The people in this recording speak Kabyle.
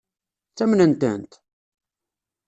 Ttamnen-tent?